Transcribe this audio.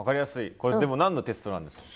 これでも何のテストなんでしょうかね。